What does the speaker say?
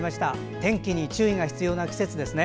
天気に注意が必要な季節ですね。